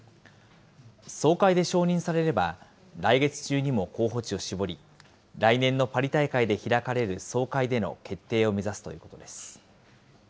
総会で承認されれば、来月中にも候補地を絞り、来年のパリ大会で開かれる総会での決定を目指すということです。